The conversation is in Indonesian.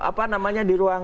apa namanya di ruang